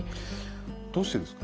どうしてですか？